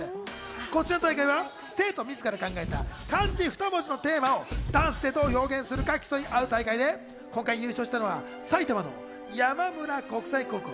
こちらの大会は生徒みずから考えた漢字２文字のテーマをダンスでどう表現するか競い合う大会で、今回、優勝したのは埼玉の山村国際高校。